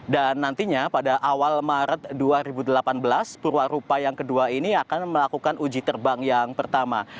dan nantinya pada awal maret dua ribu delapan belas perwarupa yang kedua ini akan melakukan uji terbang yang pertama